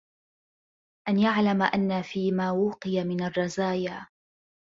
أَنْ يَعْلَمَ أَنَّ فِي مَا وُقِيَ مِنْ الرَّزَايَا